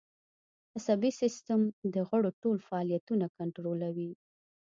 عصبي سیستم د غړو ټول فعالیتونه کنترولوي